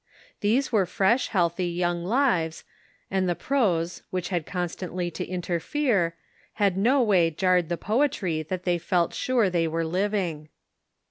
These were fresh healthy young lives, and the prose, which had constantly to interfere, in no way jarred the poetry that they felt sure they were living.